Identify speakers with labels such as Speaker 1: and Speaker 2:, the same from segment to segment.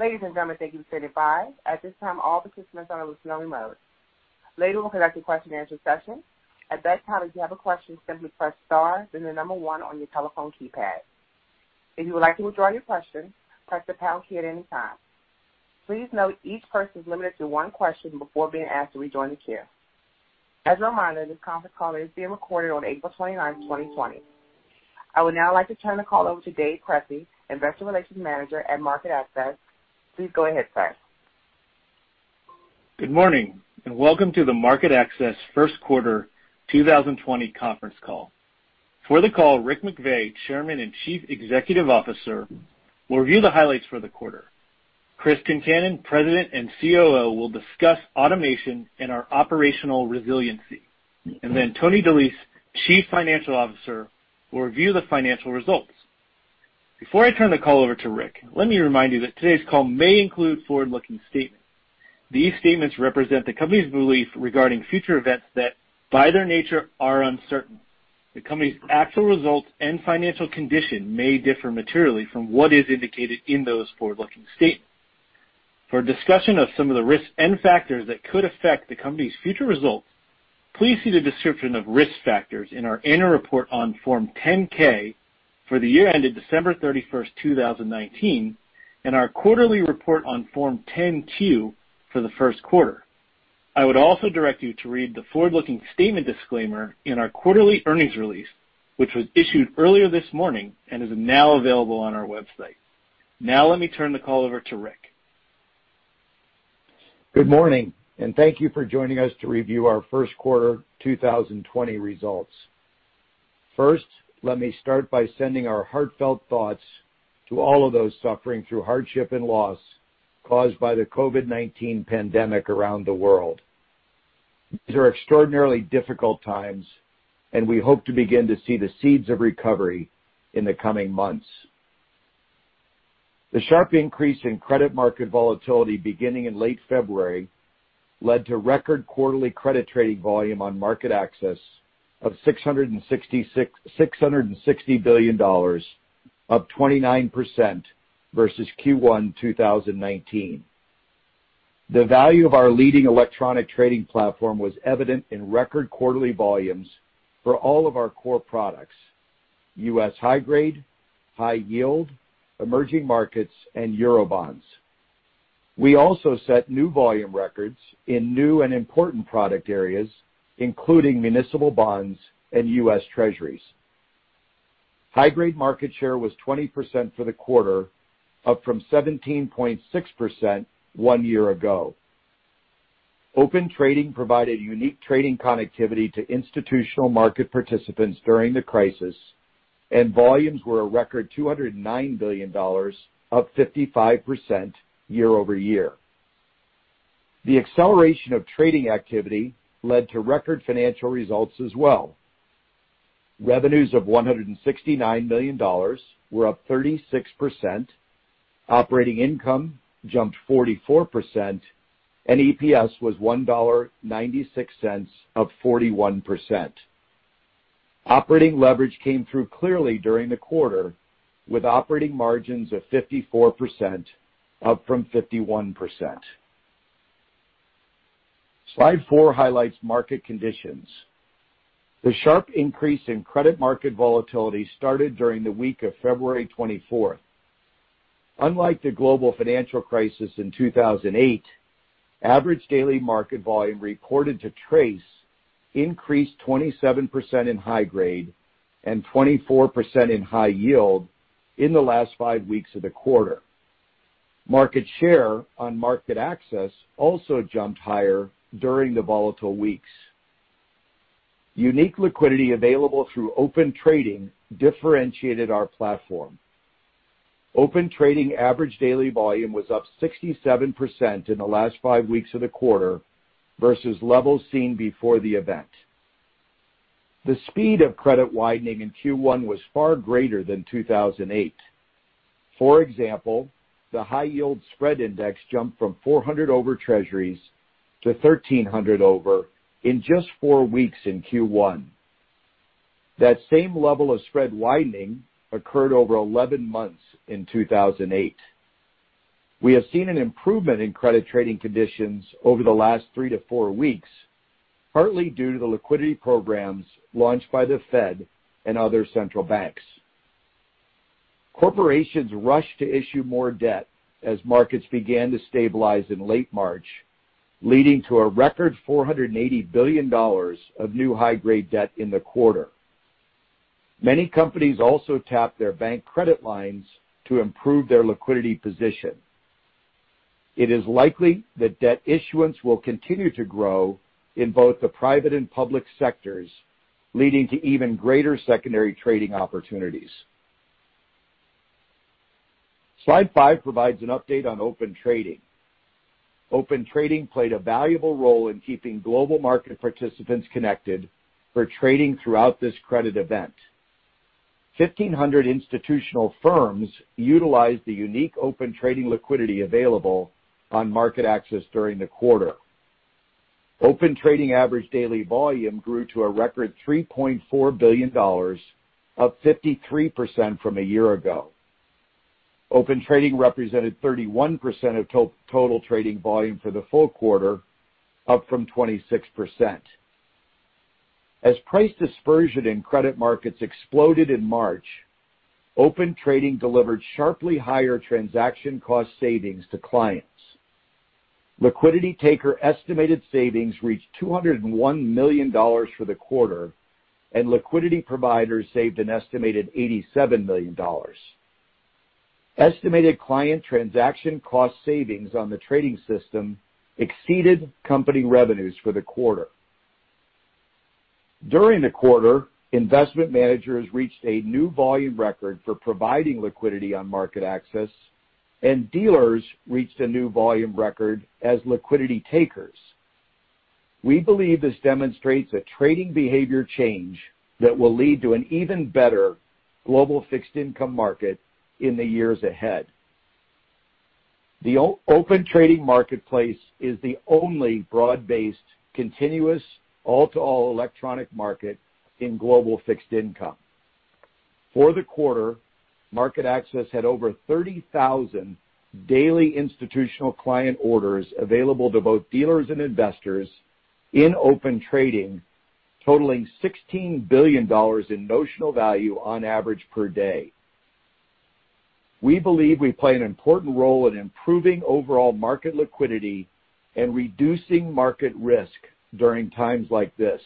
Speaker 1: Ladies and gentlemen, thank you for standing by. At this time, all participants are in listen-only mode. Later, we'll conduct a question-and-answer session. At that time, if you have a question, simply press star then the number one on your telephone keypad. If you would like to withdraw your question, press the pound key at any time. Please note each person is limited to one question before being asked to rejoin the queue. As a reminder, this conference call is being recorded on April 29, 2020. I would now like to turn the call over to David Cresci, Investor Relations Manager at MarketAxess. Please go ahead, sir.
Speaker 2: Good morning, welcome to the MarketAxess First Quarter 2020 conference call. For the call, Rick McVey, Chairman and Chief Executive Officer, will review the highlights for the quarter. Chris Concannon, President and COO, will discuss automation and our operational resiliency. Tony DeLise, Chief Financial Officer, will review the financial results. Before I turn the call over to Rick, let me remind you that today's call may include forward-looking statements. These statements represent the company's belief regarding future events that, by their nature, are uncertain. The company's actual results and financial condition may differ materially from what is indicated in those forward-looking statements. For a discussion of some of the risks and factors that could affect the company's future results, please see the description of risk factors in our annual report on Form 10-K for the year ended December 31, 2019, and our quarterly report on Form 10-Q for the first quarter. I would also direct you to read the forward-looking statement disclaimer in our quarterly earnings release, which was issued earlier this morning and is now available on our website. Now let me turn the call over to Rick.
Speaker 3: Good morning, and thank you for joining us to review our first quarter 2020 results. First, let me start by sending our heartfelt thoughts to all of those suffering through hardship and loss caused by the COVID-19 pandemic around the world. These are extraordinarily difficult times, and we hope to begin to see the seeds of recovery in the coming months. The sharp increase in credit market volatility beginning in late February led to record quarterly credit trading volume on MarketAxess of $660 billion, up 29% versus Q1 2019. The value of our leading electronic trading platform was evident in record quarterly volumes for all of our core products: U.S. high-grade, high-yield, emerging markets, and Eurobonds. We also set new volume records in new and important product areas, including municipal bonds and US Treasuries. High-grade market share was 20% for the quarter, up from 17.6% one year ago. Open Trading provided unique trading connectivity to institutional market participants during the crisis, and volumes were a record $209 billion, up 55% year-over-year. The acceleration of trading activity led to record financial results as well. Revenues of $169 million were up 36%, operating income jumped 44%, and EPS was $1.96, up 41%. Operating leverage came through clearly during the quarter, with operating margins of 54%, up from 51%. Slide four highlights market conditions. The sharp increase in credit market volatility started during the week of February 24th. Unlike the global financial crisis in 2008, average daily market volume reported to TRACE increased 27% in high-grade and 24% in high-yield in the last five weeks of the quarter. Market share on MarketAxess also jumped higher during the volatile weeks. Unique liquidity available through Open Trading differentiated our platform. Open Trading average daily volume was up 67% in the last five weeks of the quarter versus levels seen before the event. The speed of credit widening in Q1 was far greater than 2008. For example, the high-yield spread index jumped from 400 over Treasuries to 1,300 over in just four weeks in Q1. That same level of spread widening occurred over 11 months in 2008. We have seen an improvement in credit trading conditions over the last three to four weeks, partly due to the liquidity programs launched by the Fed and other central banks. Corporations rushed to issue more debt as markets began to stabilize in late March, leading to a record $480 billion of new high-grade debt in the quarter. Many companies also tapped their bank credit lines to improve their liquidity position. It is likely that debt issuance will continue to grow in both the private and public sectors, leading to even greater secondary trading opportunities. Slide five provides an update on Open Trading. Open Trading played a valuable role in keeping global market participants connected for trading throughout this credit event. 1,500 institutional firms utilized the unique Open Trading liquidity available on MarketAxess during the quarter. Open Trading average daily volume grew to a record $3.4 billion, up 53% from a year ago. Open Trading represented 31% of total trading volume for the full quarter, up from 26%. As price dispersion in credit markets exploded in March, Open Trading delivered sharply higher transaction cost savings to clients. Liquidity taker estimated savings reached $201 million for the quarter, and liquidity providers saved an estimated $87 million. Estimated client transaction cost savings on the trading system exceeded company revenues for the quarter. During the quarter, investment managers reached a new volume record for providing liquidity on MarketAxess, and dealers reached a new volume record as liquidity takers. We believe this demonstrates a trading behavior change that will lead to an even better global fixed income market in the years ahead. The Open Trading marketplace is the only broad-based, continuous, all-to-all electronic market in global fixed income. For the quarter, MarketAxess had over 30,000 daily institutional client orders available to both dealers and investors in Open Trading, totaling $16 billion in notional value on average per day. We believe we play an important role in improving overall market liquidity and reducing market risk during times like this.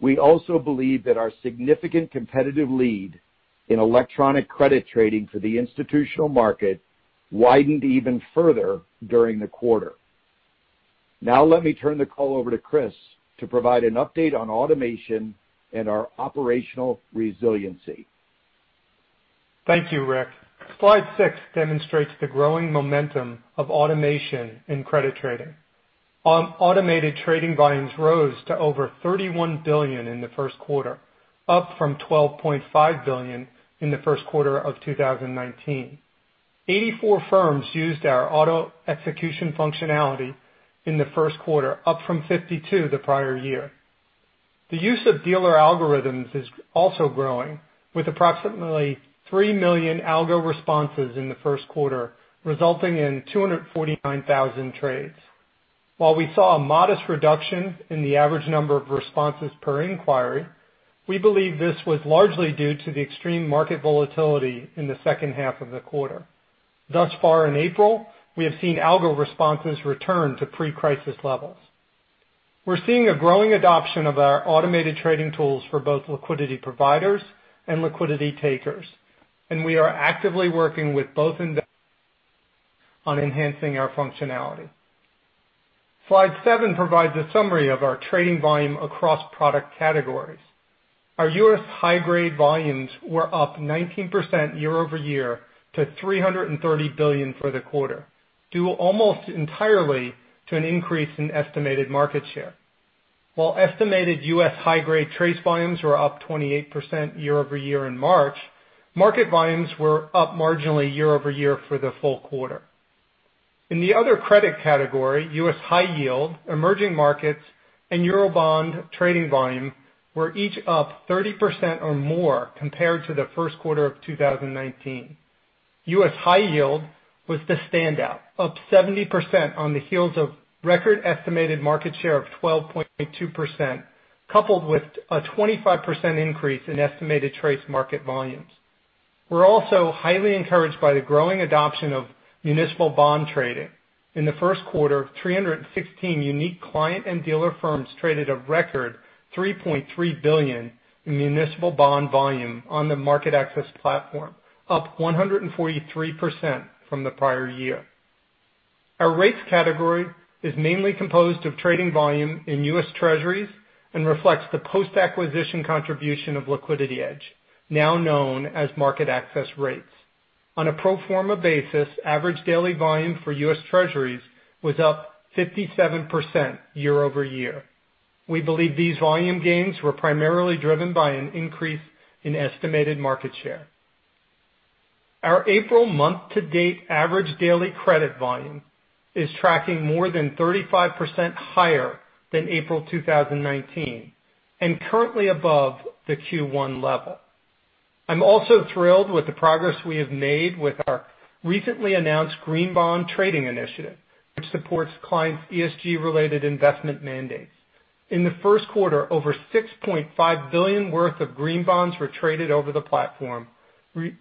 Speaker 3: We also believe that our significant competitive lead in electronic credit trading for the institutional market widened even further during the quarter. Let me turn the call over to Chris to provide an update on automation and our operational resiliency.
Speaker 4: Thank you, Rick. Slide six demonstrates the growing momentum of automation in credit trading. Automated trading volumes rose to over $31 billion in the first quarter, up from $12.5 billion in the first quarter of 2019. 84 firms used our auto execution functionality in the first quarter, up from 52 the prior year. The use of dealer algorithms is also growing, with approximately 3 million algo responses in the first quarter, resulting in 249,000 trades. While we saw a modest reduction in the average number of responses per inquiry, we believe this was largely due to the extreme market volatility in the second half of the quarter. Thus far in April, we have seen algo responses return to pre-crisis levels. We're seeing a growing adoption of our automated trading tools for both liquidity providers and liquidity takers, and we are actively working with both investor- on enhancing our functionality. Slide seven provides a summary of our trading volume across product categories. Our U.S. high-grade volumes were up 19% year-over-year to $330 billion for the quarter, due almost entirely to an increase in estimated market share. While estimated U.S. high-grade TRACE volumes were up 28% year-over-year in March, market volumes were up marginally year-over-year for the full quarter. In the other credit category, U.S. high yield, emerging markets, and Eurobond trading volume were each up 30% or more compared to the first quarter of 2019. U.S. high yield was the standout, up 70% on the heels of record estimated market share of 12.2%, coupled with a 25% increase in estimated trade market volumes. We're also highly encouraged by the growing adoption of municipal bond trading. In the first quarter, 316 unique client and dealer firms traded a record $3.3 billion in municipal bond volume on the MarketAxess platform, up 143% from the prior year. Our rates category is mainly composed of trading volume in US Treasuries and reflects the post-acquisition contribution of LiquidityEdge, now known as MarketAxess Rates. On a pro forma basis, average daily volume for US Treasuries was up 57% year-over-year. We believe these volume gains were primarily driven by an increase in estimated market share. Our April month-to-date average daily credit volume is tracking more than 35% higher than April 2019 and currently above the Q1 level. I'm also thrilled with the progress we have made with our recently announced green bond trading initiative, which supports clients' ESG-related investment mandates. In the first quarter, over $6.5 billion worth of green bonds were traded over the platform,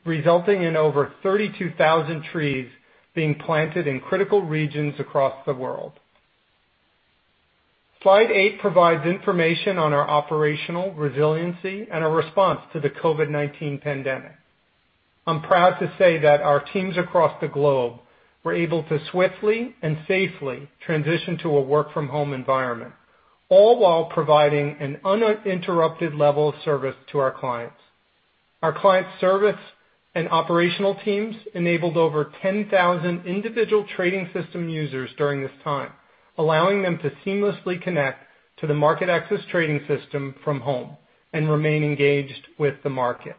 Speaker 4: resulting in over 32,000 trees being planted in critical regions across the world. Slide eight provides information on our operational resiliency and our response to the COVID-19 pandemic. I'm proud to say that our teams across the globe were able to swiftly and safely transition to a work-from-home environment, all while providing an uninterrupted level of service to our clients. Our client service and operational teams enabled over 10,000 individual trading system users during this time, allowing them to seamlessly connect to the MarketAxess trading system from home and remain engaged with the market.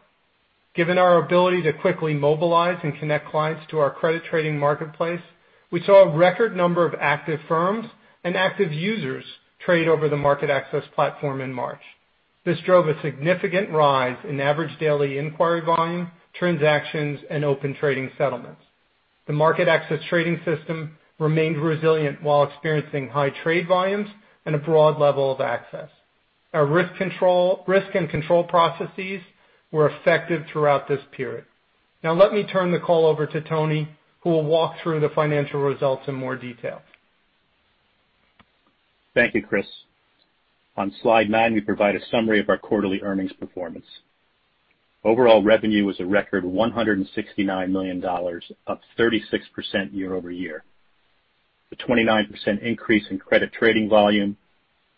Speaker 4: Given our ability to quickly mobilize and connect clients to our credit trading marketplace, we saw a record number of active firms and active users trade over the MarketAxess platform in March. This drove a significant rise in average daily inquiry volume, transactions, and Open Trading settlements. The MarketAxess trading system remained resilient while experiencing high trade volumes and a broad level of access. Our risk and control processes were effective throughout this period. Now let me turn the call over to Tony, who will walk through the financial results in more detail.
Speaker 5: Thank you, Chris. On slide nine, we provide a summary of our quarterly earnings performance. Overall revenue was a record $169 million, up 36% year-over-year. The 29% increase in credit trading volume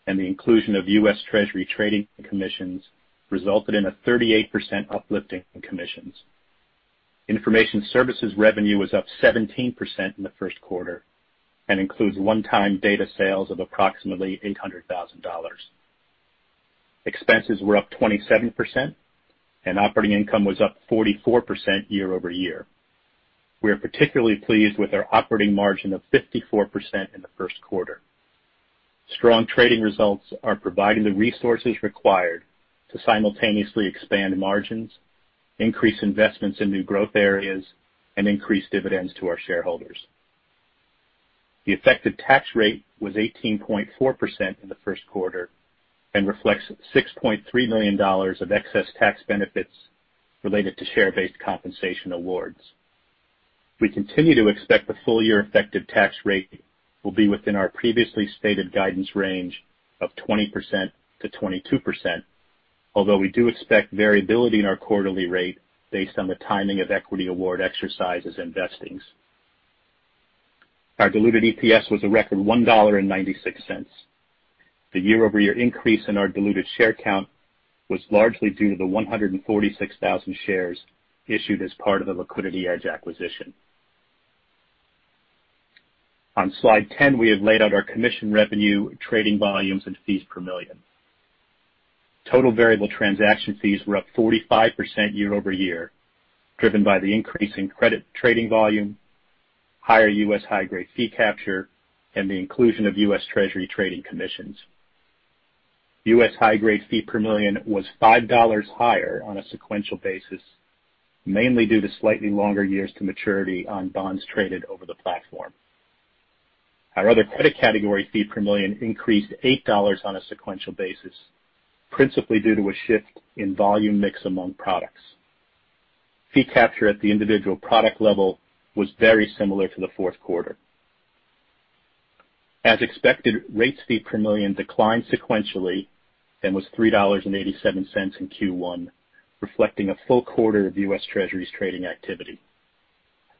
Speaker 5: and the inclusion of US Treasury trading commissions resulted in a 38% uplift in commissions. Information services revenue was up 17% in the first quarter and includes one-time data sales of approximately $800,000. Expenses were up 27%, and operating income was up 44% year-over-year. We are particularly pleased with our operating margin of 54% in the first quarter. Strong trading results are providing the resources required to simultaneously expand margins, increase investments in new growth areas, and increase dividends to our shareholders. The effective tax rate was 18.4% in the first quarter and reflects $6.3 million of excess tax benefits related to share-based compensation awards. We continue to expect the full-year effective tax rate will be within our previously stated guidance range of 20%-22%, although we do expect variability in our quarterly rate based on the timing of equity award exercises and vestings. Our diluted EPS was a record $1.96. The year-over-year increase in our diluted share count was largely due to the 146,000 shares issued as part of the LiquidityEdge acquisition. On slide 10, we have laid out our commission revenue, trading volumes, and fees per million. Total variable transaction fees were up 45% year-over-year, driven by the increase in credit trading volume, higher U.S. high-grade fee capture, and the inclusion of US Treasury trading commissions. U.S. high-grade fee per million was $5 higher on a sequential basis, mainly due to slightly longer years to maturity on bonds traded over the platform. Our other credit category fee per million increased to $8 on a sequential basis, principally due to a shift in volume mix among products. Fee capture at the individual product level was very similar to the fourth quarter. As expected, rates fee per million declined sequentially and was $3.87 in Q1, reflecting a full quarter of US Treasuries trading activity.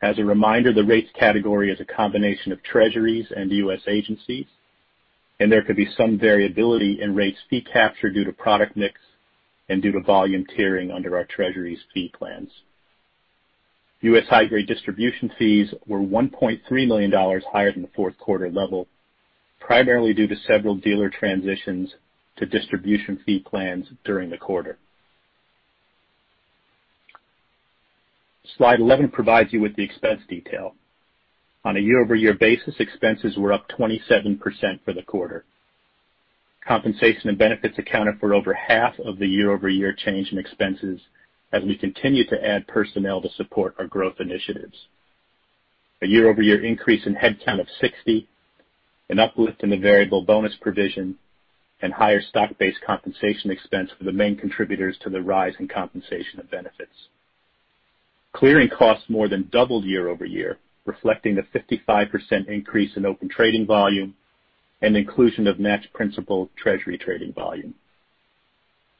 Speaker 5: As a reminder, the rates category is a combination of Treasuries and US agencies, and there could be some variability in rates fee capture due to product mix and due to volume tiering under our Treasuries fee plans. US high-grade distribution fees were $1.3 million higher than the fourth quarter level, primarily due to several dealer transitions to distribution fee plans during the quarter. Slide 11 provides you with the expense detail. On a year-over-year basis, expenses were up 27% for the quarter. Compensation and benefits accounted for over half of the year-over-year change in expenses as we continue to add personnel to support our growth initiatives. A year-over-year increase in headcount of 60, an uplift in the variable bonus provision, and higher stock-based compensation expense were the main contributors to the rise in compensation and benefits. Clearing costs more than doubled year-over-year, reflecting the 55% increase in Open Trading volume and inclusion of matched principal Treasury trading volume.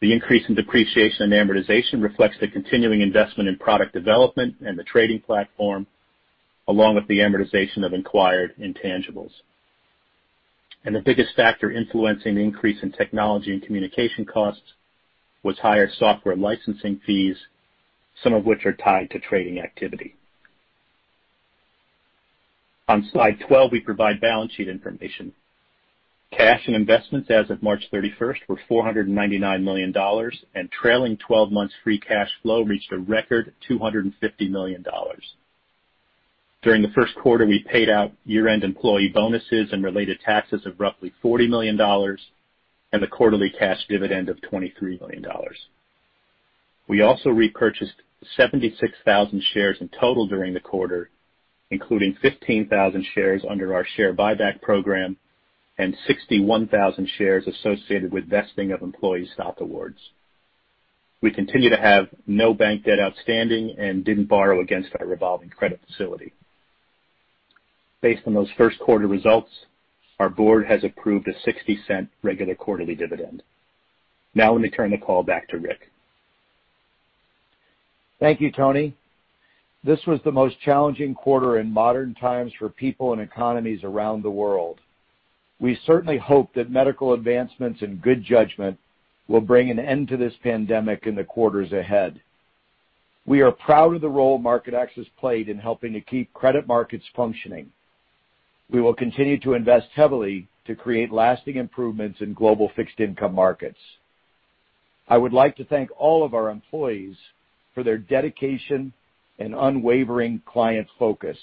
Speaker 5: The increase in depreciation and amortization reflects the continuing investment in product development and the trading platform, along with the amortization of acquired intangibles. The biggest factor influencing the increase in technology and communication costs was higher software licensing fees, some of which are tied to trading activity. On slide 12, we provide balance sheet information. Cash and investments as of March 31st were $499 million. Trailing 12 months free cash flow reached a record $250 million. During the first quarter, we paid out year-end employee bonuses and related taxes of roughly $40 million and a quarterly cash dividend of $23 million. We also repurchased 76,000 shares in total during the quarter, including 15,000 shares under our share buyback program and 61,000 shares associated with vesting of employee stock awards. We continue to have no bank debt outstanding and didn't borrow against our revolving credit facility. Based on those first quarter results, our board has approved a $0.60 regular quarterly dividend. Now let me turn the call back to Rick.
Speaker 3: Thank you, Tony. This was the most challenging quarter in modern times for people and economies around the world. We certainly hope that medical advancements and good judgment will bring an end to this pandemic in the quarters ahead. We are proud of the role MarketAxess played in helping to keep credit markets functioning. We will continue to invest heavily to create lasting improvements in global fixed income markets. I would like to thank all of our employees for their dedication and unwavering client focus.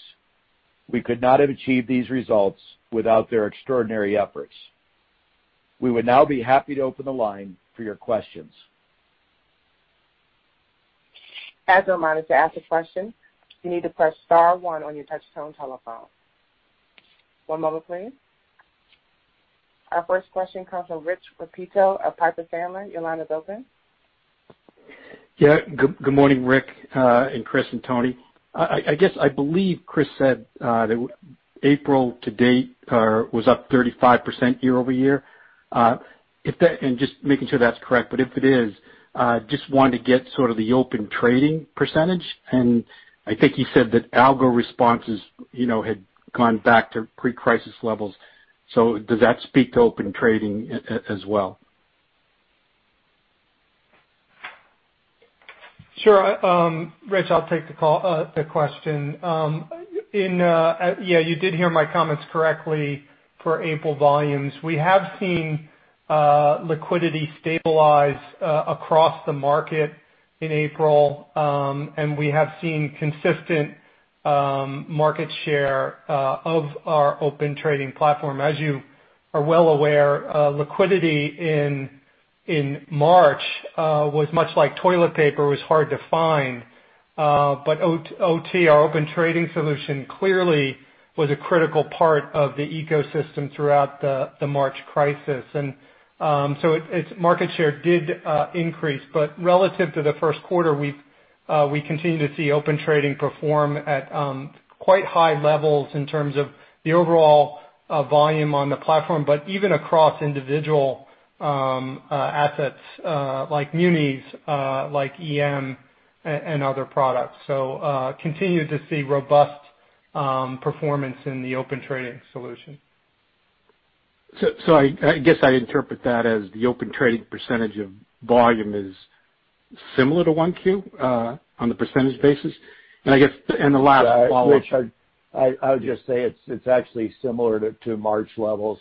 Speaker 3: We could not have achieved these results without their extraordinary efforts. We would now be happy to open the line for your questions.
Speaker 1: As a reminder, to ask a question, you need to press star one on your touch-tone telephone. One moment please. Our first question comes from Rich Repetto of Piper Sandler. Your line is open.
Speaker 6: Yeah. Good morning, Rick, and Chris and Tony. I believe Chris said that April to date was up 35% year-over-year. Just making sure that's correct, but if it is, just wanted to get sort of the Open Trading percentage. I think you said that algo responses had gone back to pre-crisis levels. Does that speak to Open Trading as well?
Speaker 4: Sure. Rich, I'll take the question. You did hear my comments correctly for April volumes. We have seen liquidity stabilize across the market in April. We have seen consistent market share of our Open Trading platform. As you are well aware, liquidity in March was much like toilet paper, was hard to find. OT, our Open Trading solution, clearly was a critical part of the March crisis. Its market share did increase. Relative to the first quarter, we continue to see Open Trading perform at quite high levels in terms of the overall volume on the platform, but even across individual assets like munis, like EM, and other products. Continue to see robust performance in the Open Trading solution.
Speaker 6: I guess I interpret that as the Open Trading percentage of volume is similar to 1Q on the percentage basis. I guess the last follow-up.
Speaker 3: Rich, I would just say it's actually similar to March levels.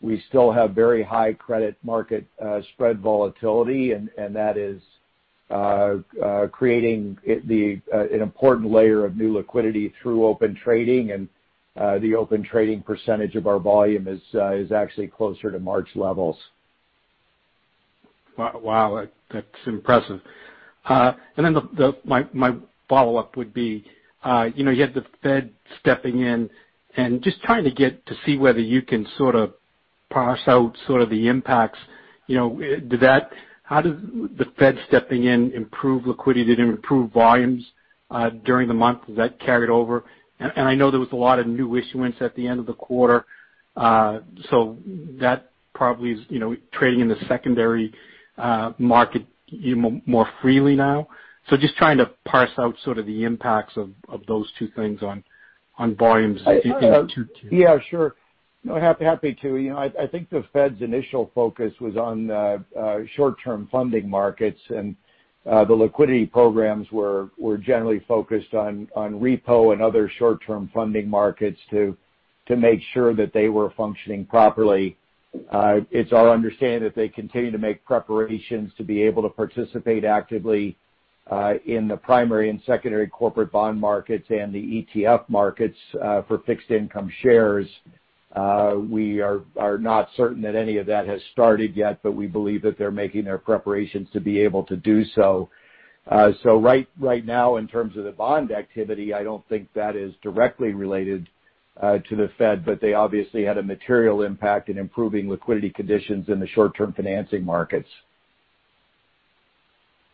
Speaker 3: We still have very high credit market spread volatility, and that is creating an important layer of new liquidity through Open Trading, and the Open Trading percentage of our volume is actually closer to March levels.
Speaker 6: Wow, that's impressive. My follow-up would be, you had the Fed stepping in and just trying to get to see whether you can sort of parse out the impacts. How does the Fed stepping in improve liquidity? Did it improve volumes during the month? Has that carried over? I know there was a lot of new issuance at the end of the quarter, so that probably is trading in the secondary market more freely now. Just trying to parse out sort of the impacts of those two things on volumes in 2Q.
Speaker 3: Yeah, sure. Happy to. I think the Fed's initial focus was on the short-term funding markets, and the liquidity programs were generally focused on repo and other short-term funding markets to make sure that they were functioning properly. It's our understanding that they continue to make preparations to be able to participate actively in the primary and secondary corporate bond markets and the ETF markets for fixed income shares. We are not certain that any of that has started yet. We believe that they're making their preparations to be able to do so. Right now, in terms of the bond activity, I don't think that is directly related to the Fed, but they obviously had a material impact in improving liquidity conditions in the short-term financing markets.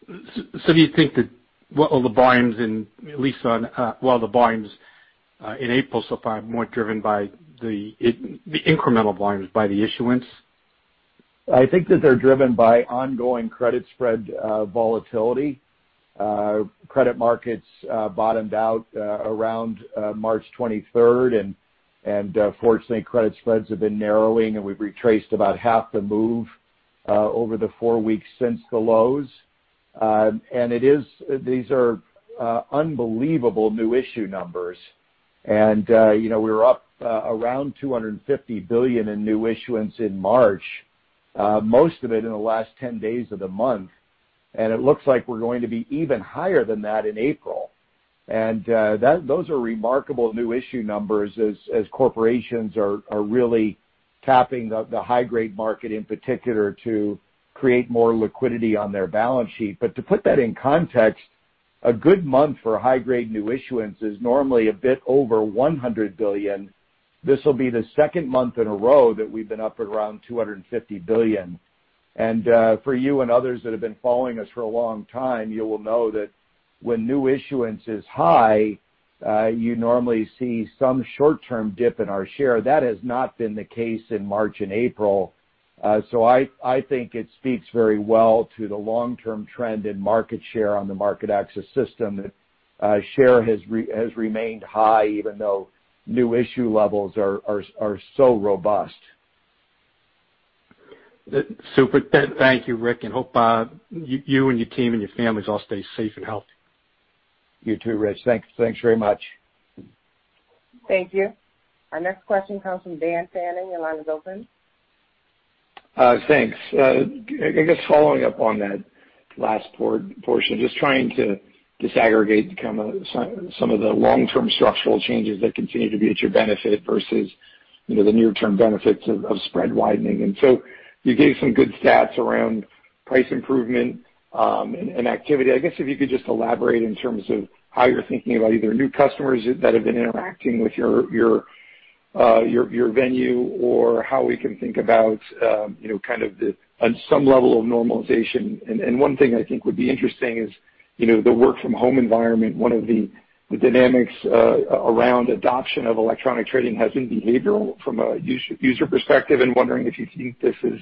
Speaker 6: Do you think that the volumes in April so far are more driven by the incremental volumes by the issuance?
Speaker 3: I think that they're driven by ongoing credit spread volatility. Credit markets bottomed out around March 23rd, and fortunately, credit spreads have been narrowing, and we've retraced about half the move over the four weeks since the lows. These are unbelievable new issue numbers. We were up around $250 billion in new issuance in March, most of it in the last 10 days of the month, and it looks like we're going to be even higher than that in April. Those are remarkable new issue numbers as corporations are really tapping the high-grade market in particular to create more liquidity on their balance sheet. To put that in context, a good month for high-grade new issuance is normally a bit over $100 billion. This will be the second month in a row that we've been up at around $250 billion. For you and others that have been following us for a long time, you will know that when new issuance is high, you normally see some short-term dip in our share. That has not been the case in March and April. I think it speaks very well to the long-term trend in market share on the MarketAxess system that share has remained high even though new issue levels are so robust.
Speaker 6: Super. Thank you, Rick, and hope you and your team and your families all stay safe and healthy.
Speaker 3: You too, Rich. Thanks very much.
Speaker 1: Thank you. Our next question comes from Dan Fannon. Your line is open.
Speaker 7: Thanks. Following up on that last portion, just trying to disaggregate some of the long-term structural changes that continue to be at your benefit versus the near-term benefits of spread widening. You gave some good stats around price improvement and activity. I guess if you could just elaborate in terms of how you're thinking about either new customers that have been interacting with your venue or how we can think about kind of on some level of normalization. One thing I think would be interesting is the work-from-home environment. One of the dynamics around adoption of electronic trading has been behavioral from a user perspective, and wondering if you think this is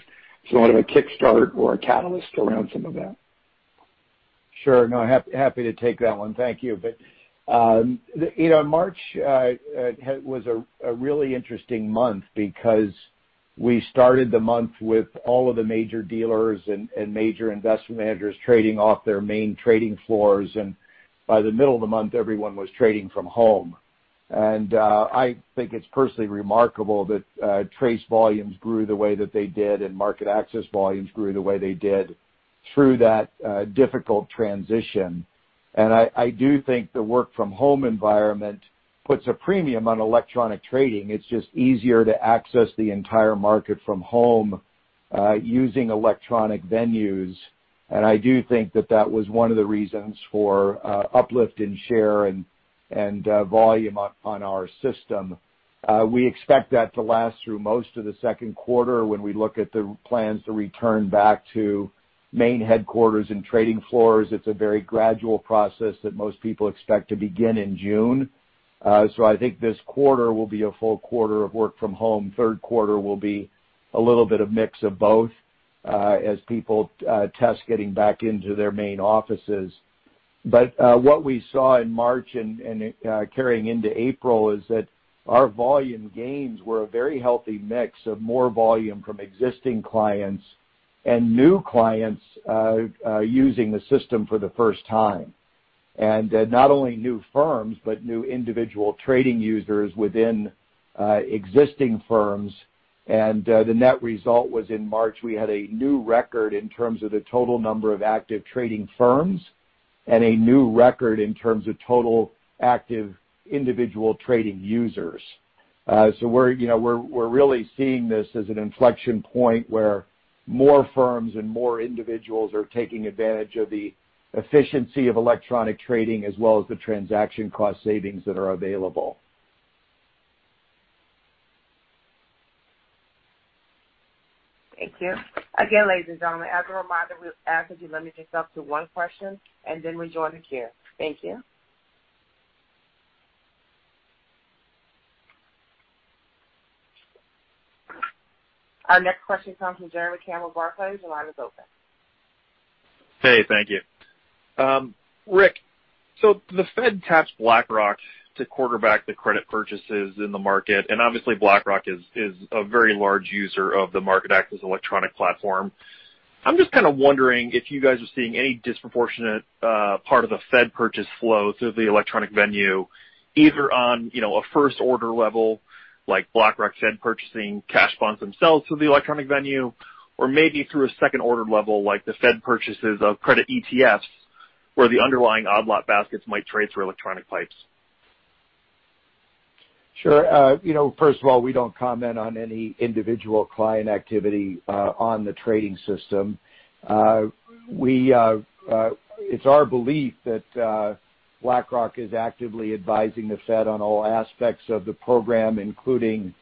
Speaker 7: sort of a kickstart or a catalyst around some of that.
Speaker 3: Sure. No, happy to take that one. Thank you. March was a really interesting month because we started the month with all of the major dealers and major investment managers trading off their main trading floors. By the middle of the month, everyone was trading from home. I think it's personally remarkable that TRACE volumes grew the way that they did and MarketAxess volumes grew the way they did through that difficult transition. I do think the work-from-home environment puts a premium on electronic trading. It's just easier to access the entire market from home using electronic venues. I do think that that was one of the reasons for uplift in share and volume on our system. We expect that to last through most of the second quarter. When we look at the plans to return back to main headquarters and trading floors, it's a very gradual process that most people expect to begin in June. I think this quarter will be a full quarter of work from home. Third quarter will be a little bit of mix of both as people test getting back into their main offices. What we saw in March and carrying into April is that our volume gains were a very healthy mix of more volume from existing clients and new clients using the system for the first time. Not only new firms, but new individual trading users within existing firms. The net result was in March, we had a new record in terms of the total number of active trading firms and a new record in terms of total active individual trading users. We're really seeing this as an inflection point where more firms and more individuals are taking advantage of the efficiency of electronic trading as well as the transaction cost savings that are available.
Speaker 1: Thank you. Again, ladies and gentlemen, as a reminder, we ask that you limit yourself to one question and then rejoin the queue. Thank you. Our next question comes from Jeremy Campbell, Barclays. Your line is open.
Speaker 8: Hey, thank you. Rick, the Fed taps BlackRock to quarterback the credit purchases in the market, and obviously BlackRock is a very large user of the MarketAxess electronic platform. I'm just kind of wondering if you guys are seeing any disproportionate part of the Fed purchase flow through the electronic venue, either on a first-order level, like BlackRock's Fed purchasing cash bonds themselves through the electronic venue, or maybe through a second-order level, like the Fed purchases of credit ETFs, where the underlying odd lot baskets might trade through electronic pipes.
Speaker 3: Sure. First of all, we don't comment on any individual client activity on the trading system. It's our belief that BlackRock is actively advising the Fed on all aspects of the program, including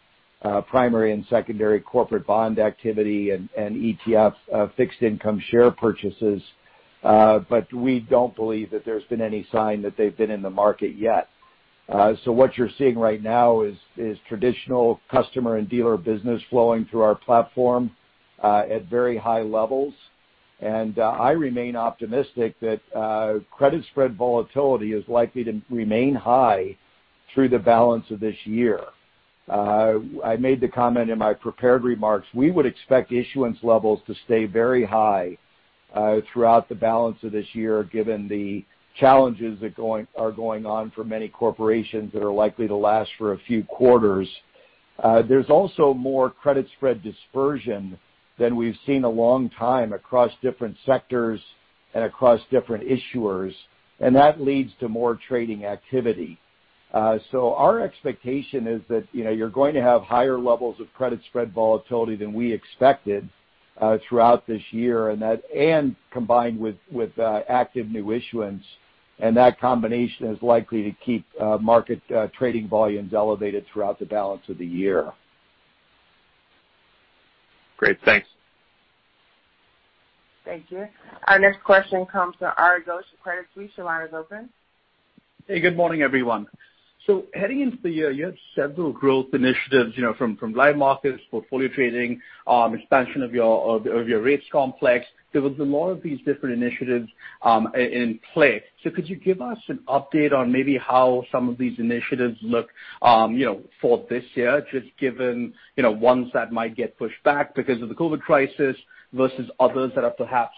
Speaker 3: primary and secondary corporate bond activity and ETF fixed income share purchases. We don't believe that there's been any sign that they've been in the market yet. What you're seeing right now is traditional customer and dealer business flowing through our platform at very high levels. I remain optimistic that credit spread volatility is likely to remain high through the balance of this year. I made the comment in my prepared remarks. We would expect issuance levels to stay very high throughout the balance of this year, given the challenges that are going on for many corporations that are likely to last for a few quarters. There's also more credit spread dispersion than we've seen a long time across different sectors and across different issuers. That leads to more trading activity. Our expectation is that you're going to have higher levels of credit spread volatility than we expected throughout this year, and combined with active new issuance. That combination is likely to keep market trading volumes elevated throughout the balance of the year.
Speaker 8: Great. Thanks.
Speaker 1: Thank you. Our next question comes from Ari Ghosh, Credit Suisse. Your line is open.
Speaker 9: Hey, good morning, everyone. Heading into the year, you had several growth initiatives, from Live Markets, portfolio trading, expansion of your rates complex. There was a lot of these different initiatives in play. Could you give us an update on maybe how some of these initiatives look, for this year, just given, ones that might get pushed back because of the COVID-19 crisis versus others that are perhaps,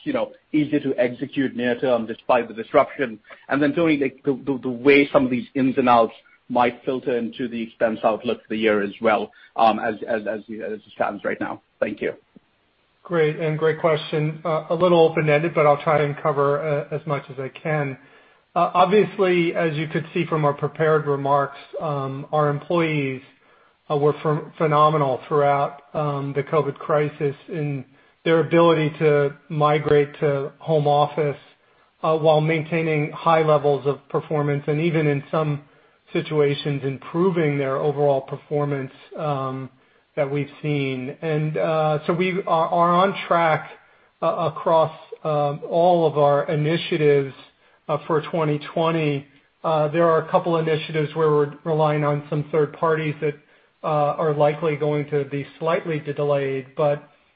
Speaker 9: easier to execute near term despite the disruption, and then Tony, the way some of these ins and outs might filter into the expense outlook for the year as well, as it stands right now. Thank you.
Speaker 4: Great, great question. A little open-ended, I'll try and cover as much as I can. Obviously, as you could see from our prepared remarks, our employees were phenomenal throughout the COVID-19 crisis in their ability to migrate to home office, while maintaining high levels of performance and even in some situations, improving their overall performance, that we've seen. We are on track across all of our initiatives for 2020. There are a couple initiatives where we're relying on some third parties that are likely going to be slightly delayed.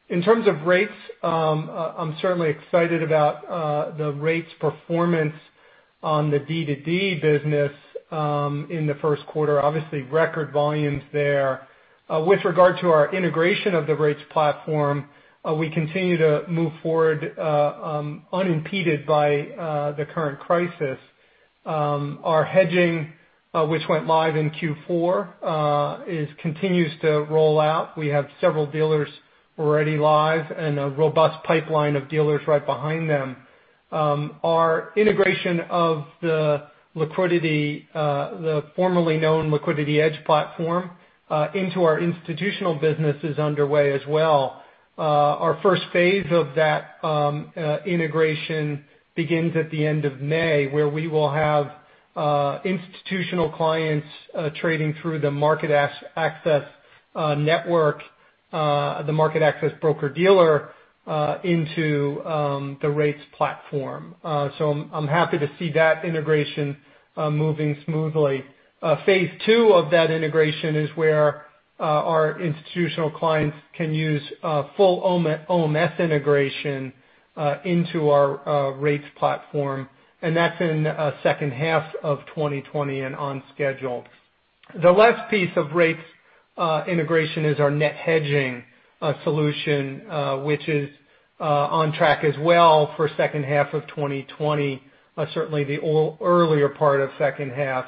Speaker 4: In terms of rates, I'm certainly excited about the rates performance on the D2D business, in the first quarter. Obviously, record volumes there. With regard to our integration of the rates platform, we continue to move forward unimpeded by the current crisis. Our hedging, which went live in Q4, continues to roll out. We have several dealers already live and a robust pipeline of dealers right behind them. Our integration of the formerly known LiquidityEdge platform into our institutional business is underway as well. Our phase 1 of that integration begins at the end of May, where we will have institutional clients trading through the MarketAxess access network, the MarketAxess broker-dealer, into the MarketAxess Rates platform. I'm happy to see that integration moving smoothly. Phase II of that integration is where our institutional clients can use full OMS integration into our MarketAxess Rates platform, that's in second half of 2020 and on schedule. The last piece of MarketAxess Rates integration is our net hedging solution, which is on track as well for second half of 2020. Certainly the earlier part of second half,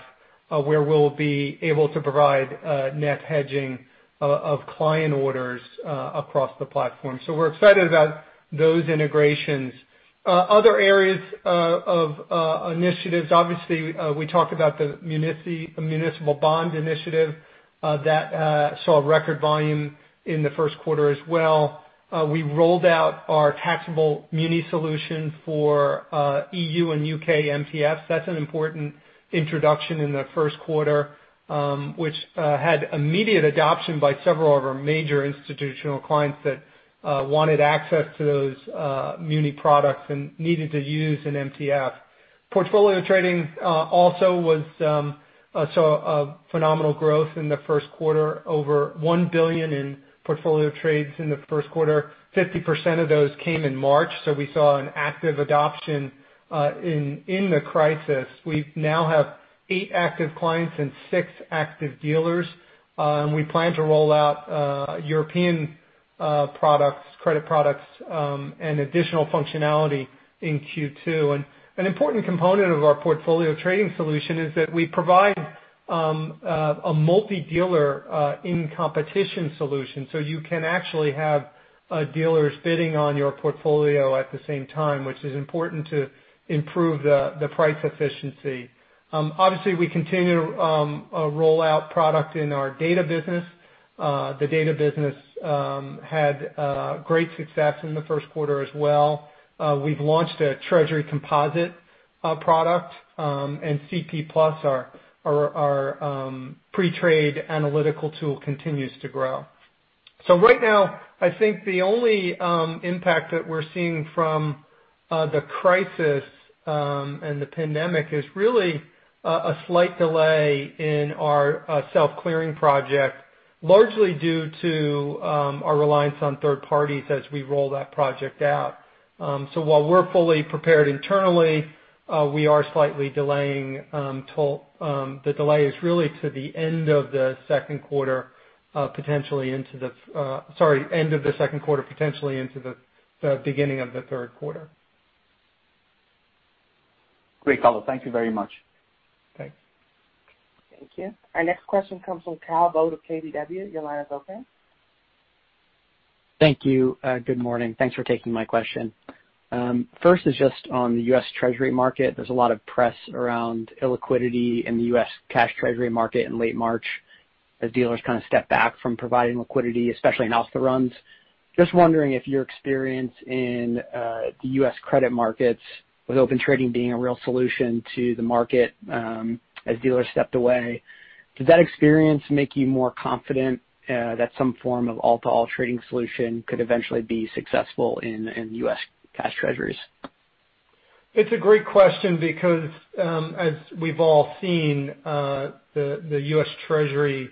Speaker 4: where we'll be able to provide net hedging of client orders across the platform. We're excited about those integrations. Other areas of initiatives, obviously, we talked about the municipal bond initiative, that saw record volume in the first quarter as well. We rolled out our taxable muni solution for EU and U.K. MTFs. That's an important introduction in the first quarter, which had immediate adoption by several of our major institutional clients that wanted access to those muni products and needed to use an MTF. Portfolio trading also saw a phenomenal growth in the first quarter. Over $1 billion in portfolio trades in the first quarter. 50% of those came in March, we saw an active adoption in the crisis. We now have eight active clients and six active dealers. We plan to roll out European products, credit products, and additional functionality in Q2. An important component of our portfolio trading solution is that we provide a multi-dealer in competition solution. You can actually have dealers bidding on your portfolio at the same time, which is important to improve the price efficiency. Obviously, we continue to roll out product in our data business. The data business had great success in the first quarter as well. We've launched a Treasury composite product, and CP+, our pre-trade analytical tool, continues to grow. Right now, I think the only impact that we're seeing from the crisis, and the pandemic is really a slight delay in our self-clearing project, largely due to our reliance on third parties as we roll that project out. While we're fully prepared internally, we are slightly delaying. The delay is really to the end of the second quarter, potentially into the beginning of the third quarter.
Speaker 9: Great color. Thank you very much.
Speaker 4: Thanks.
Speaker 1: Thank you. Our next question comes from Kyle Voigt of KBW. Your line is open.
Speaker 10: Thank you. Good morning. Thanks for taking my question. First is just on the US Treasury market. There's a lot of press around illiquidity in the U.S. cash Treasury market in late March as dealers kind of stepped back from providing liquidity, especially in restaurant]. Just wondering if your experience in the U.S. credit markets with Open Trading being a real solution to the market, as dealers stepped away? Does that experience make you more confident that some form of all-to-all trading solution could eventually be successful in U.S. Cash Treasuries?
Speaker 4: It's a great question because, as we've all seen, the US Treasuries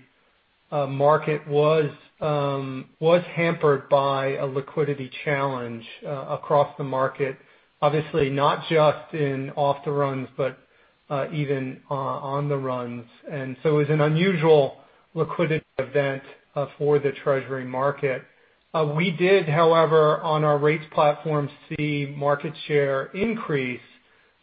Speaker 4: market was hampered by a liquidity challenge across the market, obviously not just in off-the-runs, but even on-the-runs. It was an unusual liquidity event for the Treasuries market. We did, however, on our rates platform, see market share increase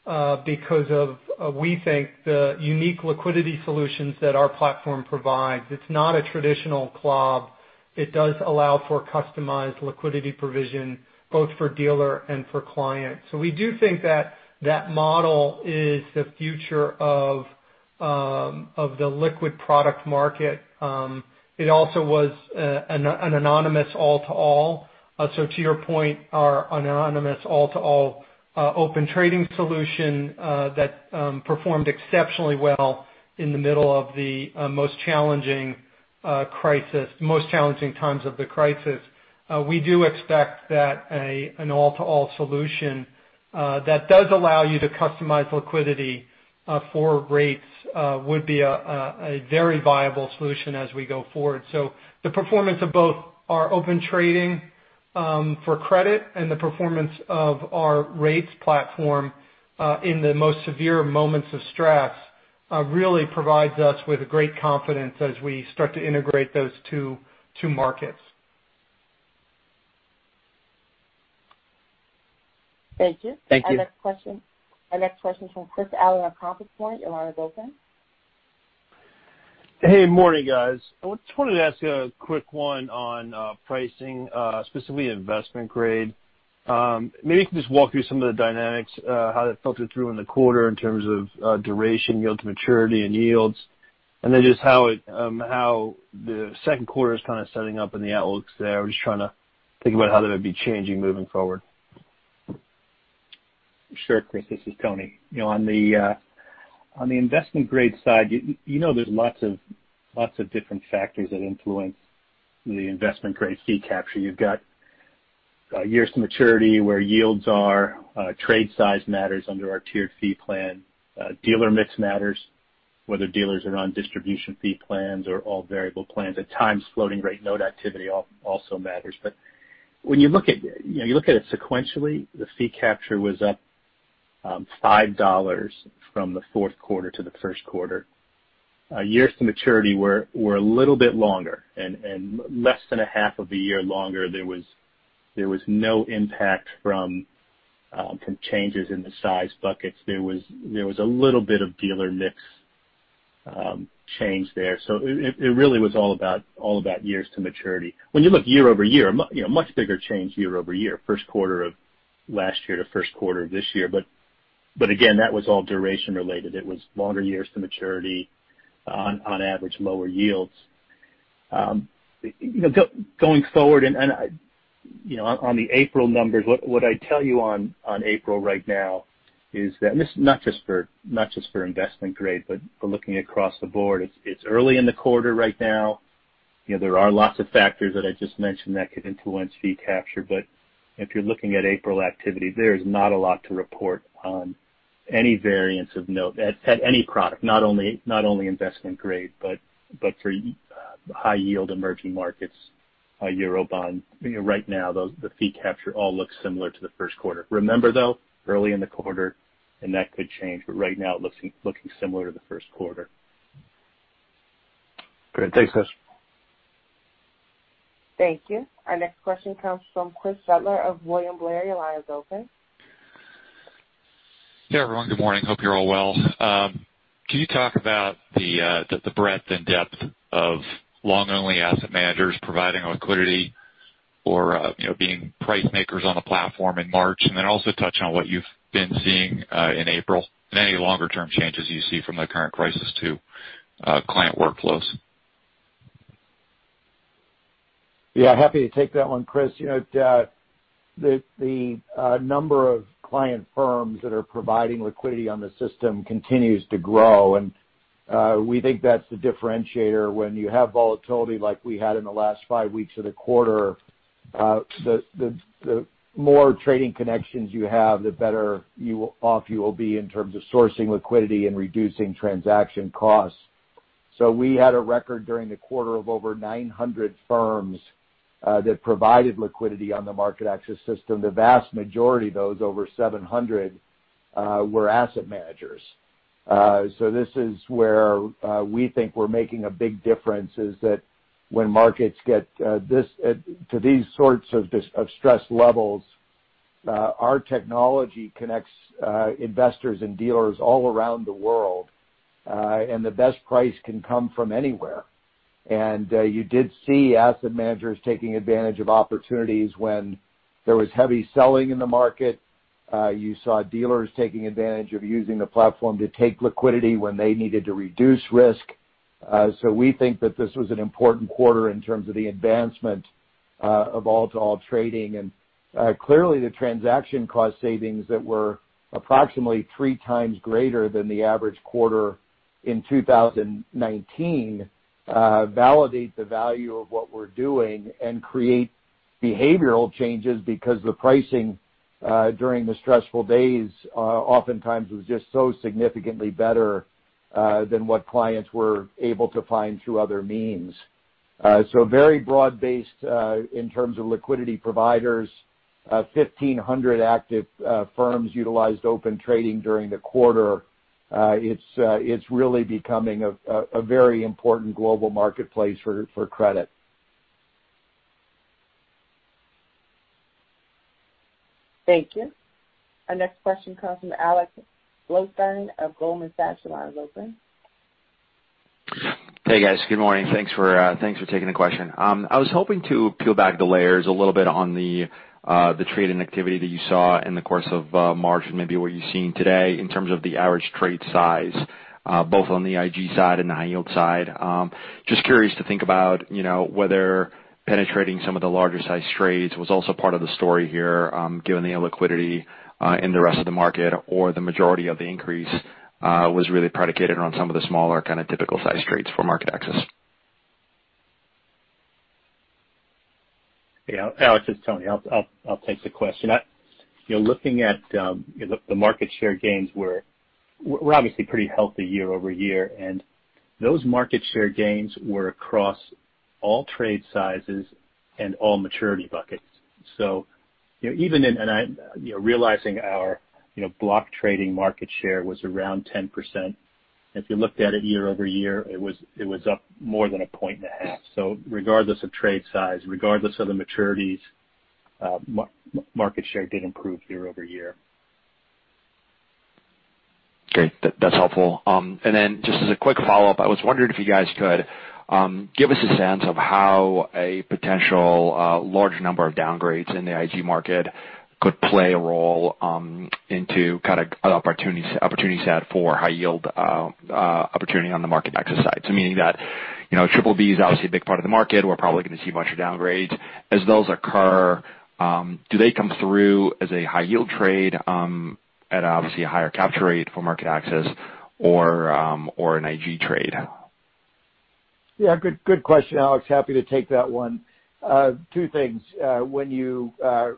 Speaker 4: because of, we think, the unique liquidity solutions that our platform provides. It's not a traditional CLOB. It does allow for customized liquidity provision both for dealer and for client. We do think that that model is the future of the liquid product market. It also was an anonymous all-to-all. To your point, our anonymous all-to-all Open Trading solution that performed exceptionally well in the middle of the most challenging times of the crisis. We do expect that an all-to-all solution that does allow you to customize liquidity for rates would be a very viable solution as we go forward. The performance of both our Open Trading for credit and the performance of our Rates platform, in the most severe moments of stress, really provides us with great confidence as we start to integrate those two markets.
Speaker 10: Thank you.
Speaker 3: Thank you.
Speaker 1: Our next question from Chris Allen at Compass Point. Your line is open.
Speaker 11: Hey, morning, guys. I just wanted to ask you a quick one on pricing, specifically investment grade. Maybe you can just walk through some of the dynamics, how that filtered through in the quarter in terms of duration, yield to maturity and yields. Just how the second quarter is kind of setting up and the outlooks there. I was just trying to think about how that would be changing moving forward.
Speaker 5: Sure, Chris. This is Tony. On the investment grade side, you know there's lots of different factors that influence the investment grade fee capture. You've got years to maturity, where yields are, trade size matters under our tiered fee plan. Dealer mix matters, whether dealers are on distribution fee plans or all variable plans. At times, floating rate note activity also matters. When you look at it sequentially, the fee capture was up $5 from the fourth quarter to the first quarter. Years to maturity were a little bit longer and less than a half of a year longer, there was no impact from changes in the size buckets. There was a little bit of dealer mix change there. It really was all about years to maturity. When you look year-over-year, much bigger change year-over-year, first quarter of last year to first quarter of this year. Again, that was all duration related. It was longer years to maturity on average lower yields. Going forward, on the April numbers, what I'd tell you on April right now is that, this is not just for investment grade, but for looking across the board, it's early in the quarter right now. There are lots of factors that I just mentioned that could influence fee capture. If you're looking at April activity, there is not a lot to report on any variance of note at any product, not only investment grade, but for high yield emerging markets, Eurobond. Right now, the fee capture all looks similar to the first quarter. Remember, though, early in the quarter, and that could change, but right now looking similar to the first quarter.
Speaker 11: Great. Thanks, guys.
Speaker 1: Thank you. Our next question comes from Chris Shutler of William Blair. Your line is open.
Speaker 12: Hey, everyone. Good morning. Hope you're all well. Can you talk about the breadth and depth of long-only asset managers providing liquidity or being price makers on the platform in March, and then also touch on what you've been seeing in April and any longer-term changes you see from the current crisis to client workflows?
Speaker 3: Yeah, happy to take that one, Chris. The number of client firms that are providing liquidity on the system continues to grow, and we think that's the differentiator. When you have volatility like we had in the last five weeks of the quarter, the more trading connections you have, the better off you will be in terms of sourcing liquidity and reducing transaction costs. We had a record during the quarter of over 900 firms that provided liquidity on the MarketAxess system. The vast majority of those, over 700, were asset managers. This is where we think we're making a big difference, is that when markets get to these sorts of stress levels, our technology connects investors and dealers all around the world, and the best price can come from anywhere. You did see asset managers taking advantage of opportunities when there was heavy selling in the market. You saw dealers taking advantage of using the platform to take liquidity when they needed to reduce risk. We think that this was an important quarter in terms of the advancement. Of all-to-all trading. Clearly the transaction cost savings that were approximately 3x greater than the average quarter in 2019, validate the value of what we're doing and create behavioral changes because the pricing during the stressful days oftentimes was just so significantly better than what clients were able to find through other means. Very broad-based in terms of liquidity providers. 1,500 active firms utilized Open Trading during the quarter. It's really becoming a very important global marketplace for credit.
Speaker 1: Thank you. Our next question comes from Alex Blostein of Goldman Sachs. The line is open.
Speaker 13: Hey, guys. Good morning. Thanks for taking the question. I was hoping to peel back the layers a little bit on the trading activity that you saw in the course of March and maybe what you're seeing today in terms of the average trade size, both on the IG side and the high yield side. Just curious to think about whether penetrating some of the larger sized trades was also part of the story here, given the illiquidity in the rest of the market, or the majority of the increase was really predicated on some of the smaller kind of typical size trades for MarketAxess.
Speaker 5: Yeah, Alex, it's Tony. I'll take the question. Looking at the market share gains, we're obviously pretty healthy year-over-year, and those market share gains were across all trade sizes and all maturity buckets. Realizing our block trading market share was around 10%, if you looked at it year-over-year, it was up more than a point and a half. Regardless of trade size, regardless of the maturities, market share did improve year-over-year.
Speaker 13: Okay. That's helpful. Just as a quick follow-up, I was wondering if you guys could give us a sense of how a potential large number of downgrades in the IG market could play a role into kind of an opportunity set for high yield opportunity on the MarketAxess side. Meaning that BBB is obviously a big part of the market. We're probably going to see a bunch of downgrades. As those occur, do they come through as a high yield trade at obviously a higher capture rate for MarketAxess or an IG trade?
Speaker 3: Good question, Alex. Happy to take that one. Two things. When you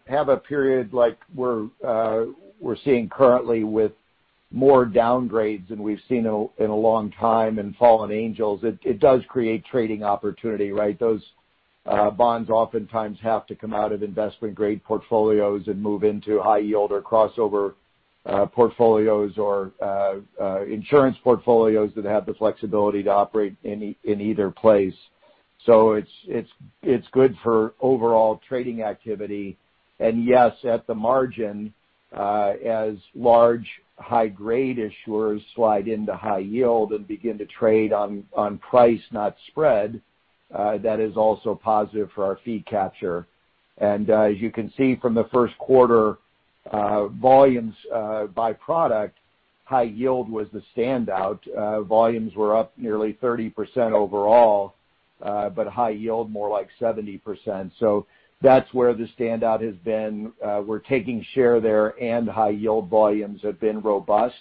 Speaker 3: have a period like we're seeing currently with more downgrades than we've seen in a long time and fallen angels, it does create trading opportunity, right? Those bonds oftentimes have to come out of investment-grade portfolios and move into high yield or crossover portfolios or insurance portfolios that have the flexibility to operate in either place. It's good for overall trading activity. Yes, at the margin, as large high-grade issuers slide into high yield and begin to trade on price, not spread, that is also positive for our fee capture. As you can see from the first quarter volumes by product, high yield was the standout. Volumes were up nearly 30% overall, high yield more like 70%. That's where the standout has been. We're taking share there and high yield volumes have been robust.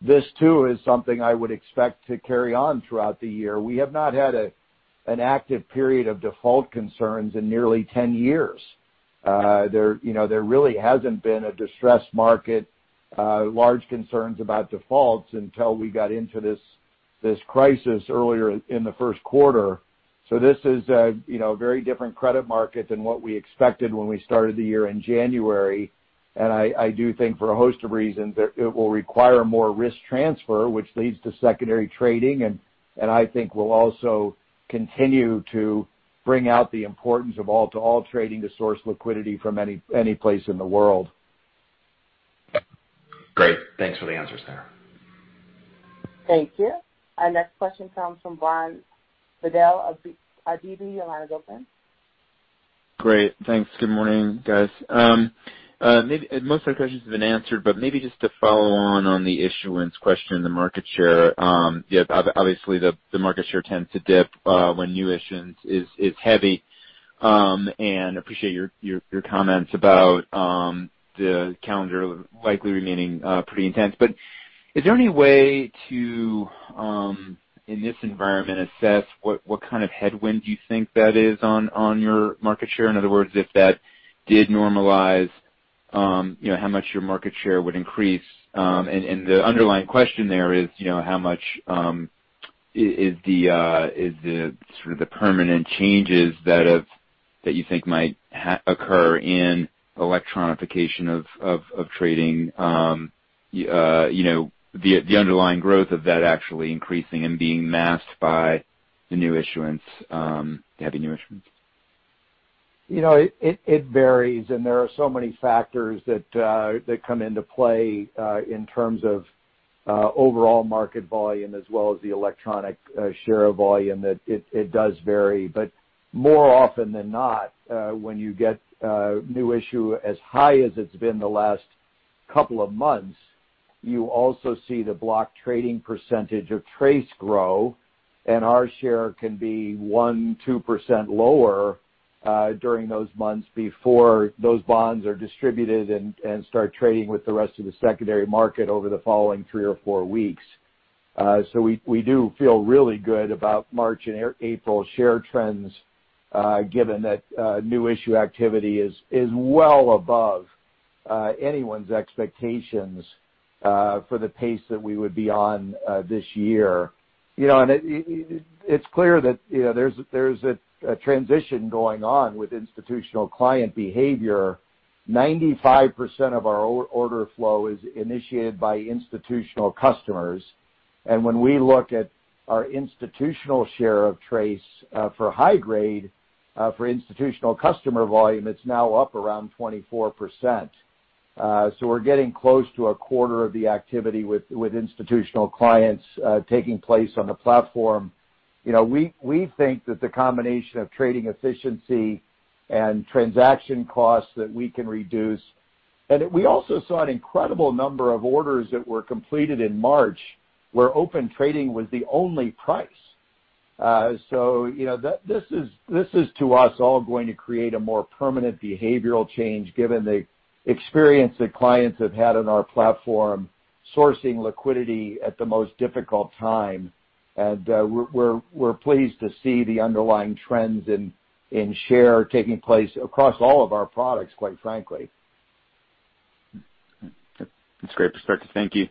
Speaker 3: This too is something I would expect to carry on throughout the year. We have not had an active period of default concerns in nearly 10 years. There really hasn't been a distressed market, large concerns about defaults until we got into this crisis earlier in the first quarter. This is a very different credit market than what we expected when we started the year in January. I do think for a host of reasons, that it will require more risk transfer, which leads to secondary trading, and I think will also continue to bring out the importance of all-to-all trading to source liquidity from any place in the world.
Speaker 13: Great. Thanks for the answers there.
Speaker 1: Thank you. Our next question comes from Brian Bedell of DB. Your line is open.
Speaker 14: Great. Thanks. Good morning, guys. Most of my questions have been answered, maybe just to follow on the issuance question, the market share. Obviously the market share tends to dip when new issuance is heavy. Appreciate your comments about the calendar likely remaining pretty intense. Is there any way to, in this environment, assess what kind of headwind you think that is on your market share? In other words, if that did normalize, how much your market share would increase? The underlying question there is how much is the sort of the permanent changes that you think might occur in electronification of trading, the underlying growth of that actually increasing and being masked by the heavy new issuance.
Speaker 3: It varies, and there are so many factors that come into play in terms of overall market volume as well as the electronic share of volume that it does vary. More often than not, when you get new issue as high as it's been the last. couple of months, you also see the block trading percentage of TRACE grow, and our share can be 1%, 2% lower during those months before those bonds are distributed and start trading with the rest of the secondary market over the following three or four weeks. We do feel really good about March and April share trends, given that new issue activity is well above anyone's expectations for the pace that we would be on this year. It's clear that there's a transition going on with institutional client behavior. 95% of our order flow is initiated by institutional customers. When we look at our institutional share of TRACE for high grade for institutional customer volume, it's now up around 24%. We're getting close to a quarter of the activity with institutional clients taking place on the platform. We think that the combination of trading efficiency and transaction costs that we can reduce. We also saw an incredible number of orders that were completed in March, where Open Trading was the only price. This is to us all going to create a more permanent behavioral change given the experience that clients have had on our platform, sourcing liquidity at the most difficult time. We're pleased to see the underlying trends in share taking place across all of our products, quite frankly.
Speaker 14: That's great perspective. Thank you.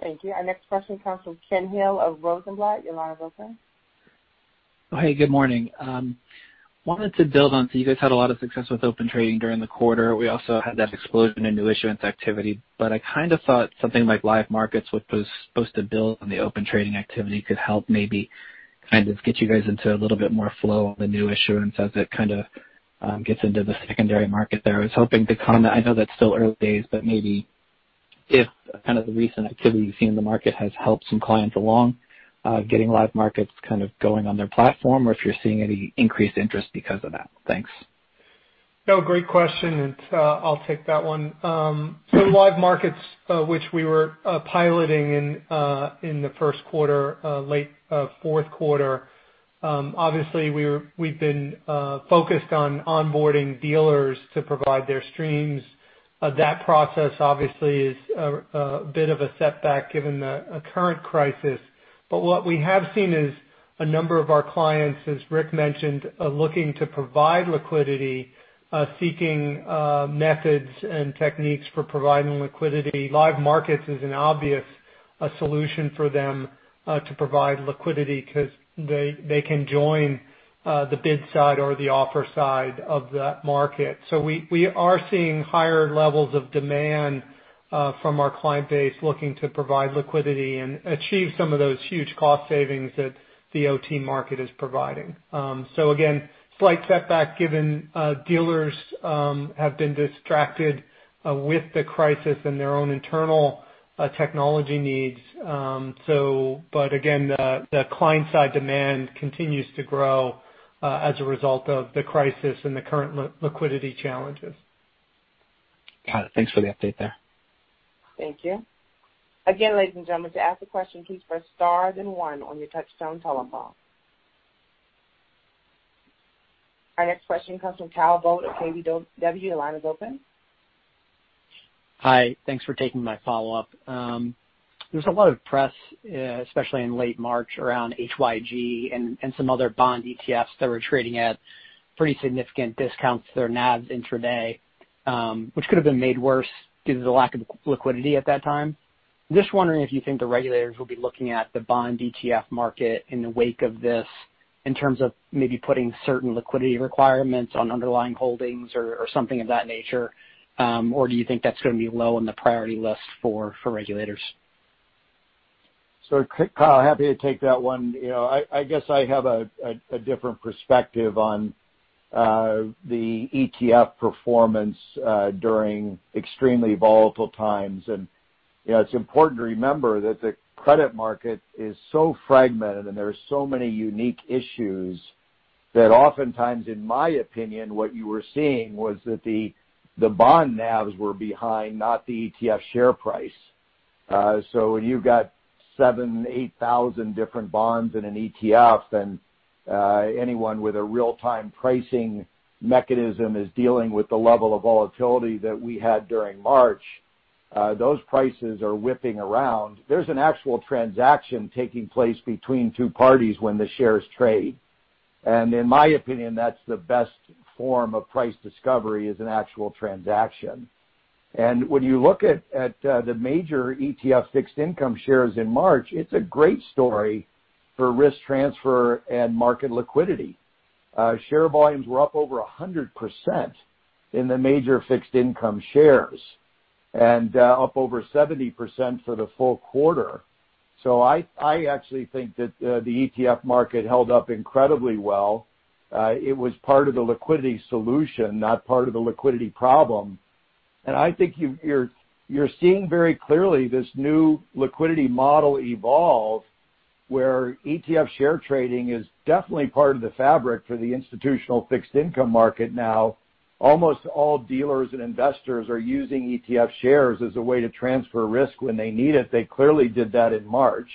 Speaker 1: Thank you. Our next question comes from Ken Hill of Rosenblatt. Your line is open.
Speaker 15: Hey, good morning. I wanted to build on. You guys had a lot of success with Open Trading during the quarter. We also had that explosion in new issuance activity. I kind of thought something like Live Markets, which was supposed to build on the Open Trading activity, could help maybe kind of get you guys into a little bit more flow on the new issuance as it kind of gets into the secondary market there. I was hoping to comment. I know that's still early days, but maybe if kind of the recent activity we've seen in the market has helped some clients along, getting Live Markets kind of going on their platform, or if you're seeing any increased interest because of that. Thanks.
Speaker 4: Great question. I'll take that one. Live Markets, which we were piloting in the first quarter, late fourth quarter, obviously, we've been focused on onboarding dealers to provide their streams. That process obviously is a bit of a setback given the current crisis. What we have seen is a number of our clients, as Rick mentioned, are looking to provide liquidity, seeking methods and techniques for providing liquidity. Live Markets is an obvious solution for them to provide liquidity because they can join the bid side or the offer side of that market. We are seeing higher levels of demand from our client base looking to provide liquidity and achieve some of those huge cost savings that the OT market is providing. Again, slight setback given dealers have been distracted with the crisis and their own internal technology needs. Again, the client-side demand continues to grow as a result of the crisis and the current liquidity challenges.
Speaker 15: Got it. Thanks for the update there.
Speaker 1: Thank you. Again, ladies and gentlemen, to ask a question, please press star then one on your touchtone telephone. Our next question comes from Kyle Voigt of KBW. Your line is open.
Speaker 10: Hi. Thanks for taking my follow-up. There's a lot of press, especially in late March, around HYG and some other bond ETFs that were trading at pretty significant discounts to their NAVs intraday, which could have been made worse due to the lack of liquidity at that time. I'm just wondering if you think the regulators will be looking at the bond ETF market in the wake of this in terms of maybe putting certain liquidity requirements on underlying holdings or something of that nature. Do you think that's going to be low on the priority list for regulators?
Speaker 3: Kyle, happy to take that one. I guess I have a different perspective on the ETF performance during extremely volatile times. It's important to remember that the credit market is so fragmented, and there are so many unique issues that oftentimes, in my opinion, what you were seeing was that the bond NAVs were behind, not the ETF share price. When you've got 7,000, 8,000 different bonds in an ETF than anyone with a real-time pricing mechanism is dealing with the level of volatility that we had during March, those prices are whipping around. There's an actual transaction taking place between two parties when the shares trade. In my opinion, that's the best form of price discovery is an actual transaction. When you look at the major ETF fixed income shares in March, it's a great story for risk transfer and market liquidity. Share volumes were up over 100% in the major fixed income shares and up over 70% for the full quarter. I actually think that the ETF market held up incredibly well. It was part of the liquidity solution, not part of the liquidity problem. I think you're seeing very clearly this new liquidity model evolve, where ETF share trading is definitely part of the fabric for the institutional fixed income market now. Almost all dealers and investors are using ETF shares as a way to transfer risk when they need it. They clearly did that in March.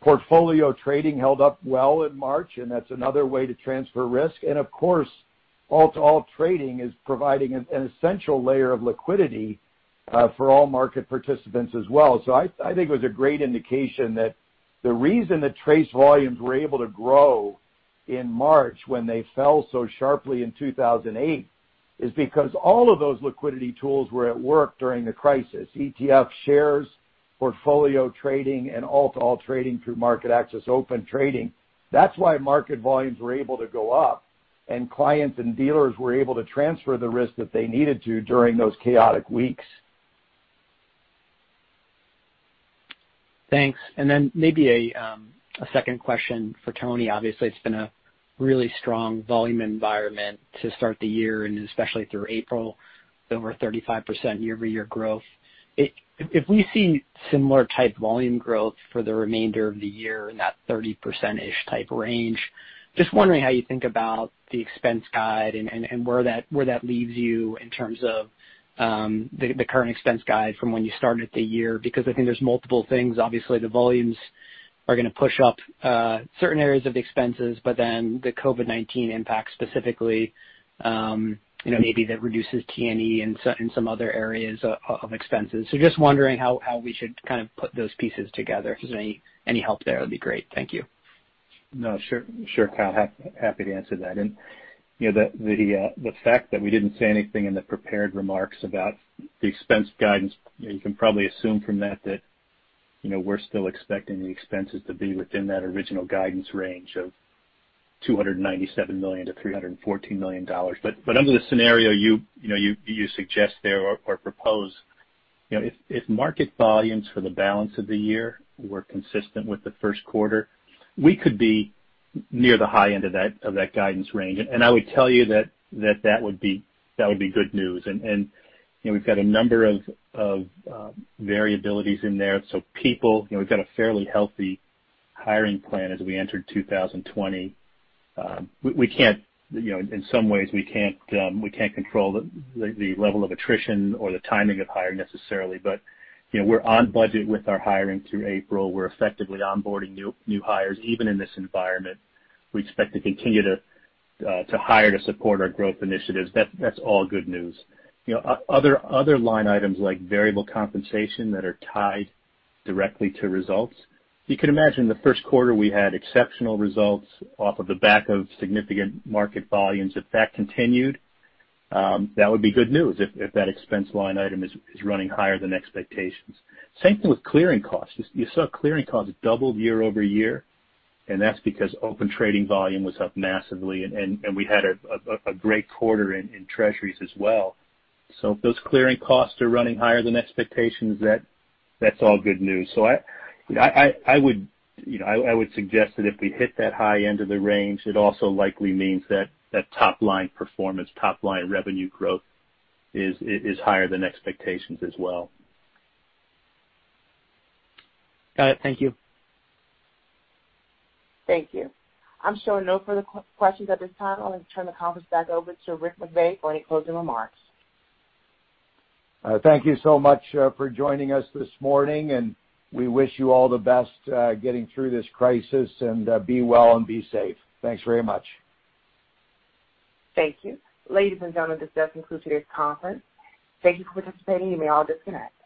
Speaker 3: Portfolio trading held up well in March, and that's another way to transfer risk. Of course, all-to-all trading is providing an essential layer of liquidity for all market participants as well. I think it was a great indication that the reason that TRACE volumes were able to grow in March when they fell so sharply in 2008, is because all of those liquidity tools were at work during the crisis. ETF shares, portfolio trading, and all-to-all trading through MarketAxess Open Trading. That's why market volumes were able to go up and clients and dealers were able to transfer the risk that they needed to during those chaotic weeks.
Speaker 10: Thanks. Maybe a second question for Tony. Obviously, it's been a really strong volume environment to start the year and especially through April, over 35% year-over-year growth. If we see similar type volume growth for the remainder of the year in that 30%-ish type range, just wondering how you think about the expense guide and where that leaves you in terms of the current expense guide from when you started the year. I think there's multiple things. Obviously, the volumes are going to push up certain areas of expenses, the COVID-19 impact specifically, maybe that reduces T&E in some other areas of expenses. Just wondering how we should kind of put those pieces together. If there's any help there, that'd be great. Thank you.
Speaker 5: Sure, Kyle. Happy to answer that. The fact that we didn't say anything in the prepared remarks about the expense guidance, you can probably assume from that we're still expecting the expenses to be within that original guidance range of $297 million to $314 million. Under the scenario you suggest there, or propose, if market volumes for the balance of the year were consistent with the first quarter, we could be near the high end of that guidance range. I would tell you that that would be good news. We've got a number of variabilities in there. People, we've got a fairly healthy hiring plan as we entered 2020. In some ways, we can't control the level of attrition or the timing of hire necessarily. We're on budget with our hiring through April. We're effectively onboarding new hires, even in this environment. We expect to continue to hire to support our growth initiatives. That's all good news. Other line items like variable compensation that are tied directly to results, you can imagine the first quarter we had exceptional results off of the back of significant market volumes. If that continued, that would be good news if that expense line item is running higher than expectations. Same thing with clearing costs. You saw clearing costs doubled year-over-year, and that's because Open Trading volume was up massively, and we had a great quarter in Treasuries as well. If those clearing costs are running higher than expectations, that's all good news. I would suggest that if we hit that high end of the range, it also likely means that top line performance, top line revenue growth is higher than expectations as well.
Speaker 10: Got it. Thank you.
Speaker 1: Thank you. I'm showing no further questions at this time. I'll turn the conference back over to Rick McVey for any closing remarks.
Speaker 3: Thank you so much for joining us this morning, and we wish you all the best getting through this crisis, and be well and be safe. Thanks very much.
Speaker 1: Thank you. Ladies and gentlemen, this does conclude today's conference. Thank you for participating. You may all disconnect.